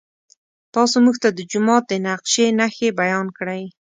تاسو موږ ته د جومات د نقشې نښې بیان کړئ.